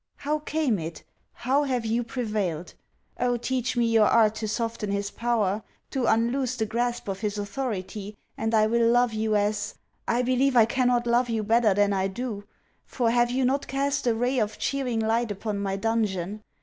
How came it? How have you prevailed? Oh teach me your art to soften his power, to unloose the grasp of his authority, and I will love you as I believe I cannot love you better than I do; for have you not cast a ray of cheering light upon my dungeon?